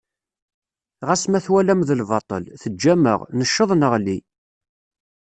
Ɣas ma twalam d lbaṭel, teǧǧam-aɣ, necceḍ neɣli.